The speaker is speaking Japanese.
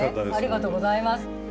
ありがとうございます。